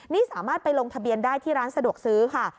นี่สามารถไปลงทะเบียนได้ที่ร้านสะดวกซื้อค่ะ